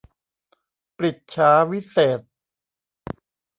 ปฤจฉาวิเศษณ์